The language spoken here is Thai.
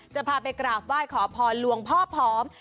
จะพาไปกราบไหว้ขอพรหลวงพ่อผอม